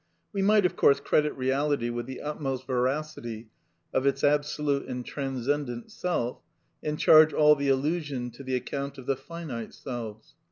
We might, of course, credit Eeality with the utmost veracity of its absolute and transcendent Self, and charge all the illusion to the account of the finite selves.